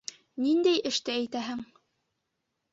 Ниндәй эште әйтәһең?